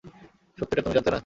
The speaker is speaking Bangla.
সত্যিটা তুমি জানতে না?